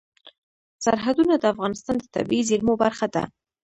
سرحدونه د افغانستان د طبیعي زیرمو برخه ده.